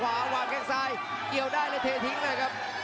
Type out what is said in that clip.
วางแข้งซ้ายเกี่ยวได้แล้วเททิ้งเลยครับ